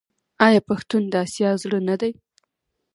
آیا پښتون د اسیا زړه نه دی؟